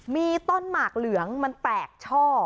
มีต้นหมากเหลืองมันแตกช่อ